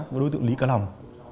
với đối tượng lý cá lòng